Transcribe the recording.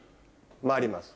回ります。